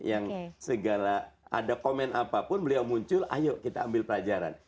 yang segala ada komen apapun beliau muncul ayo kita ambil pelajaran